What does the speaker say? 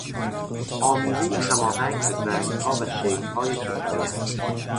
آمیزهی هماهنگ از رنگها و شکلهای خوشایند